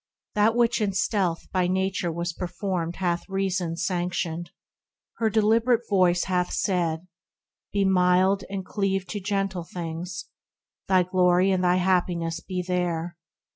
That which in stealth by Nature was performed Hath Reason sanctioned ; her deliberate Voice Hath said ; be mild, and cleave to gentle things, Thy glory and thy happiness be there.